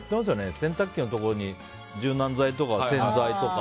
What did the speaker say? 洗濯機のところに柔軟剤とか洗剤とか。